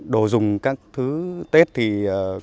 đồ dùng các thứ tết thì cơ sở tạo ra